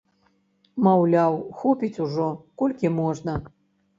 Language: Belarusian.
Маўляў, хопіць ужо, колькі можна!